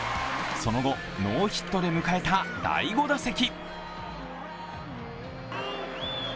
その後、ノーヒットで迎えた第５打席。